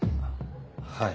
はい。